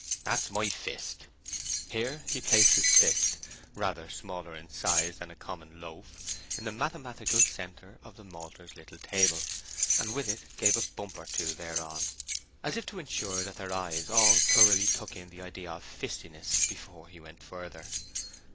"That's my fist." Here he placed his fist, rather smaller in size than a common loaf, in the mathematical centre of the maltster's little table, and with it gave a bump or two thereon, as if to ensure that their eyes all thoroughly took in the idea of fistiness before he went further.